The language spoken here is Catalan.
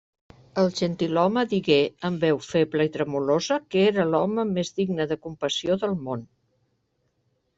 El gentilhome digué, amb veu feble i tremolosa, que era l'home més digne de compassió del món.